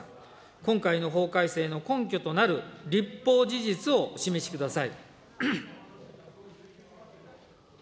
今回の法改正の根拠となる立法事実をお示しください。